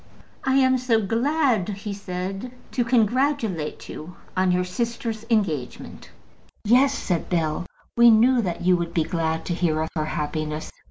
"I am so glad," he said, "to congratulate you on your sister's engagement." "Yes," said Bell; "we knew that you would be glad to hear of her happiness."